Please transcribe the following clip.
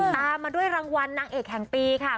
ตามมาด้วยรางวัลนางเอกแห่งปีค่ะ